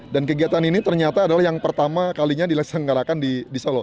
dan kegiatan ini ternyata adalah yang pertama kalinya dilaksanakan di solo